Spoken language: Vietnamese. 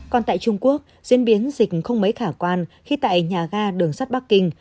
còn tại trung quốc diễn biến dịch không mấy khả quan khi tại nhà ga đường sắt bắc kinh